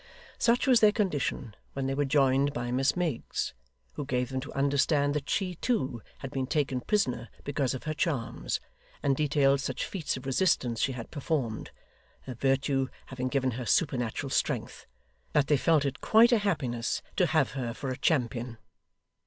Such was their condition when they were joined by Miss Miggs, who gave them to understand that she too had been taken prisoner because of her charms, and detailed such feats of resistance she had performed (her virtue having given her supernatural strength), that they felt it quite a happiness to have her for a champion.